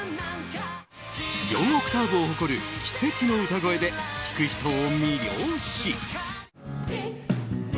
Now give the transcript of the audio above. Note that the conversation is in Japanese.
４オクターブを誇る奇跡の歌声で聴く人を魅了し。